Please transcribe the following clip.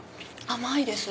甘いです。